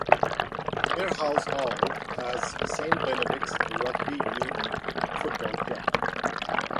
Mirehouse all has St Benedicts Rugby Union Football Club.